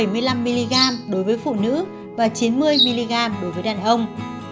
bảy mươi năm mg đối với phụ nữ và chín mươi mg đối với đàn ông